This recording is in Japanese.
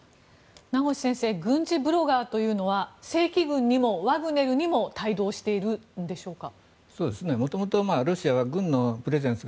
名越先生軍事ブロガーというのは正規軍にもワグネルにも帯同しているんでしょうか。